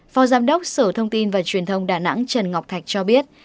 phó giám đốc sở thông tin và truyền thông đà nẵng trần ngọc thạch cho biết